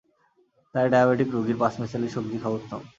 তাই ডায়াবেটিক রোগীর পাঁচমিশালী সবজি খাওয়া উত্তম।